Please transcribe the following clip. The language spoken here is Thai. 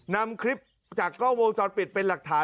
นำคลิปจากกล้องวงจรปิดเป็นหลักฐาน